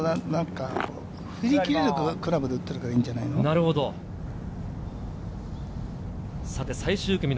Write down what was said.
振り切れるクラブで打っているからいいんじゃないの？